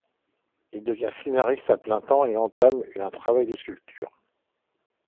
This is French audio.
Il devient scénariste à plein temps et entame un travail de sculpture.